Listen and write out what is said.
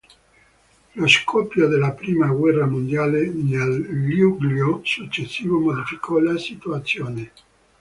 Lo scoppio della prima guerra mondiale nel luglio successivo modificò la situazione.